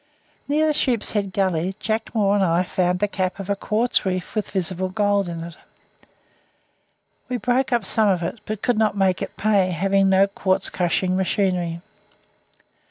Near the head of Sheep's Head Gully, Jack Moore and I found the cap of a quartz reef with visible gold in it. We broke up some of it, but could not make it pay, having no quartz crushing machinery.